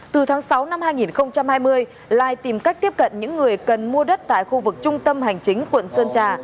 từ tháng sáu năm hai nghìn hai mươi lai tìm cách tiếp cận những người cần mua đất tại khu vực trung tâm hành chính quận sơn trà